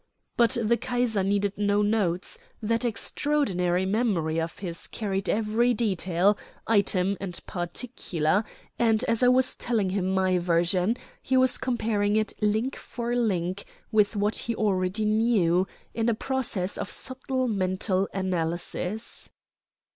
But the Kaiser needed no notes; that extraordinary memory of his carried every detail, item, and particular, and as I was telling him my version he was comparing it link for link with what he already knew, in a process of subtle mental analysis.